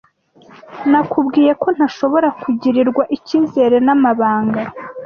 Nakubwiye ko ntashobora kugirirwa ikizere n'amabanga.